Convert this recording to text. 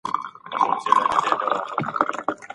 موږ له ماڼۍ څخه ډګر ته وړاندي ځو.